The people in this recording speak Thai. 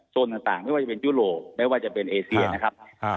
ต่างไม่ว่าจะเป็นยุโรปไม่ว่าจะเป็นเอเซียนะครับ